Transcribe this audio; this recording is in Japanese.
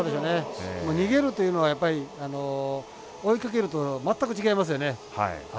逃げるというのはやっぱり追いかけると全く違いますよね。